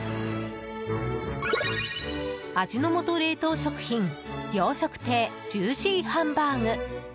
味の素冷凍食品洋食亭ジューシーハンバーグ。